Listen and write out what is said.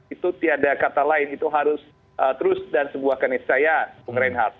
itu tiada kata lain itu harus terus dan sebuah keniscayaan bung reinhardt